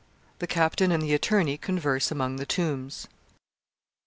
THE CAPTAIN AND THE ATTORNEY CONVERSE AMONG THE TOMBS.